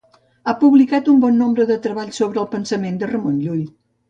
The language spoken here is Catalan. Ha publicat un bon nombre de treballs sobre el pensament de Ramon Llull.